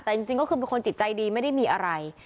แต่จริงก็คือเป็นคนจิตใจดีไม่ได้มีอะไร